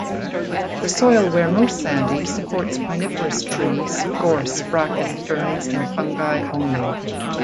The soil where most sandy supports pineferous trees, gorse, bracken, ferns and fungi only.